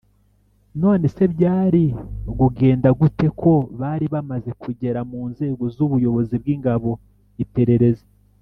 none se byari gugenda gute ko bari bamaze kugera mu nzego z'ubuyobozi bw'ingabo, iperereza,